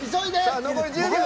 さあ残り１０秒。